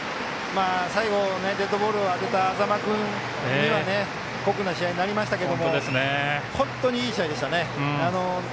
最後デッドボールを当てた安座間君には酷な試合になりましたけれども本当にいい試合でしたね。